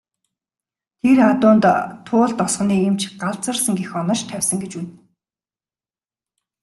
Тэр адуунд Туул тосгоны эмч "галзуурсан" гэх онош тавьсан гэж гэв.